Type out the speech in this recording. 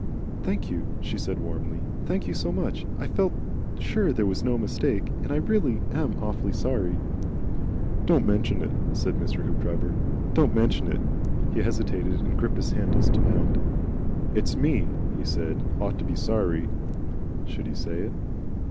"Thank you," she said warmly. "Thank you so much. I felt sure there was no mistake. And I really am awfully sorry " "Don't mention it," said Mr. Hoopdriver. "Don't mention it." He hesitated and gripped his handles to mount. "It's me," he said, "ought to be sorry." Should he say it?